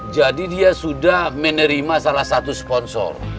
jadi dia sudah menerima salah satu sponsor